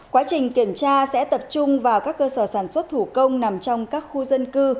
quá trình kiểm tra sẽ tập trung vào các cơ sở sản xuất thủ công nằm trong các khu dân cư